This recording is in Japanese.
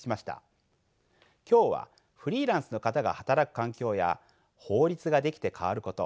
今日はフリーランスの方が働く環境や法律が出来て変わること